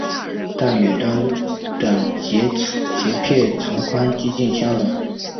但远端的节片长宽几近相等。